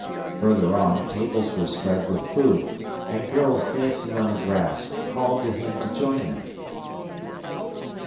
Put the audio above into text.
Further on, tables were spread with food, and girls dancing on the grass called to him to join them.